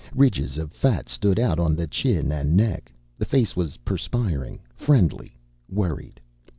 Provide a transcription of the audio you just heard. Ridges of fat stood out on the chin and neck. The face was perspiring, friendly, worried.